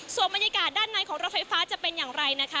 ส่วนบรรยากาศด้านในของรถไฟฟ้าจะเป็นอย่างไรนะคะ